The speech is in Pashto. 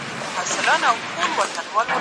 دوی به د خپل تاریخ په اړه پوه سي.